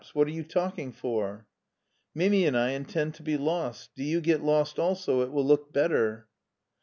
What arc you talking for?" "Mimi and I intend to be lost; do you get lost also, it will look better."